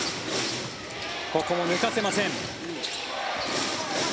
ここも抜かせません。